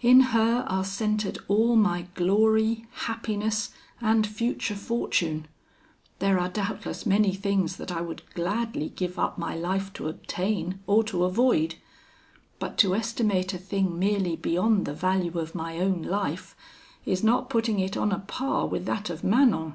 In her are centred all my glory, happiness, and future fortune! There are doubtless many things that I would gladly give up my life to obtain, or to avoid; but to estimate a thing merely beyond the value of my own life, is not putting it on a par with that of Manon.'